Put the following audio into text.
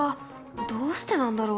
どうしてなんだろう？